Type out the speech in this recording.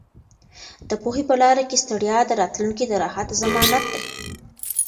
د پوهې په لاره کې ستړیا د راتلونکي د راحت ضمانت دی.